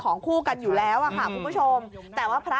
ทางผู้ชมพอเห็นแบบนี้นะทางผู้ชมพอเห็นแบบนี้นะ